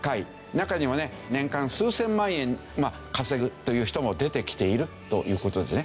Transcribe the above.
中にはね年間数千万円稼ぐという人も出てきているという事ですね。